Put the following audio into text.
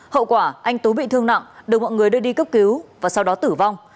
hậu quả anh tú bị thương nặng được mọi người đưa đi cấp cứu và sau đó tử vong